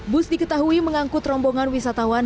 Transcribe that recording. bus diketahui mengangkut rombongan wisatawan